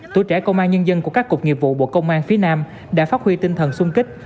tuổi trẻ công an nhân dân của các cục nghiệp vụ bộ công an phía nam đã phát huy tinh thần sung kích